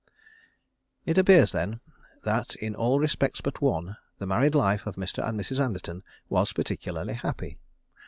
It appears then, that in all respects but one, the married life of Mr. and Mrs. Anderton was particularly happy.